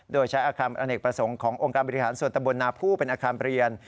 โดยใช้อาคารอเนกประสงค์ขององค์การบริหารส่วนตะบลนาผู้เป็นอาคารเรียน